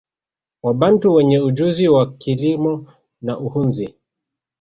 Wabantu wenye ujuzi wa kilimo na uhunzi